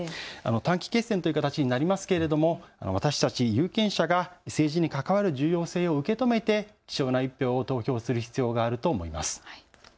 短期決戦という形になりますけれども、私たち有権者が政治に関わる重要性を受け止めて貴重な１票を投票する必要があると思います。